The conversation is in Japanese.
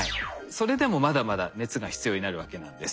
それでもまだまだ熱が必要になるわけなんです。